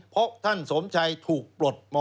เพราะท่านสมชัยถูกปลดม๔